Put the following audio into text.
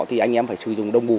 thì anh em phải sử dụng đồng bộ